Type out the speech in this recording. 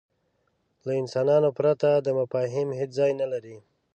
له انسانانو پرته دا مفاهیم هېڅ ځای نهلري.